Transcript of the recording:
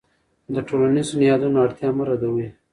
د ټولنیزو نهادونو اړتیا مه ردوه.